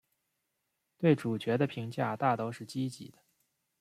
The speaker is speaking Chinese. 对主角的评价大都是积极的。